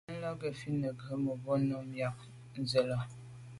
Mɛ́n la' gə̀ fít nə̀ bə́ gə̀brǒ nû myɑ̂k zə̀ lá'.